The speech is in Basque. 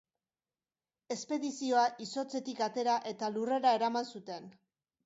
Espedizioa izotzetik atera eta lurrera eraman zuten.